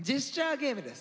ゲームです。